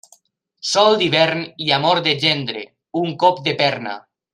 Sol d'hivern i amor de gendre, un cop de perna.